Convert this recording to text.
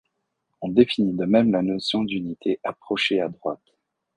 On définit de même la notion d'unité approchée à droite.